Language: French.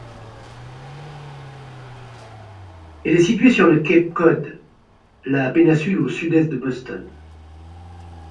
Elle est située sur le cap Cod, la péninsule au sud-est de Boston.